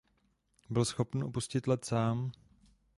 Byl schopný opustit led sám.